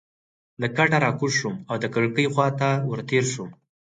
له کټه راکوز شوم او د کړکۍ خوا ته ورتېر شوم.